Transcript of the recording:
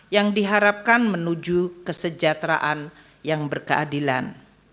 yang diharapkan menuju kesejahteraan yang berkeadilan